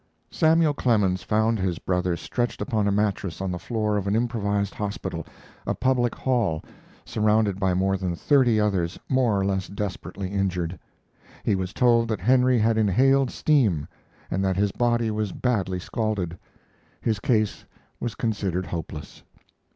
Samuel Clemens found his brother stretched upon a mattress on the floor of an improvised hospital a public hall surrounded by more than thirty others more or less desperately injured. He was told that Henry had inhaled steam and that his body was badly scalded. His case was considered hopeless.